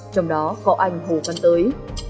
trong đó có anh hồ văn ơi